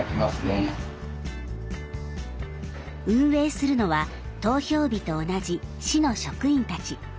運営するのは投票日と同じ市の職員たち。